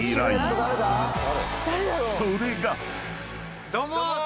［それが］どうも。